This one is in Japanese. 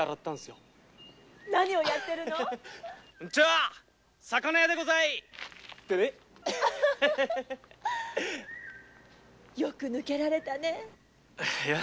よく抜けられたね。